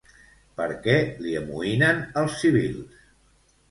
Per què li amoïnen els civils?